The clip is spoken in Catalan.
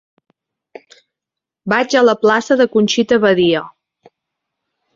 Vaig a la plaça de Conxita Badia.